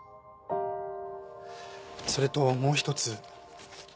それともう一つ。